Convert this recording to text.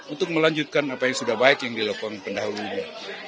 untuk melanjutkan apa yang sudah baik yang dilakukan pendahulunya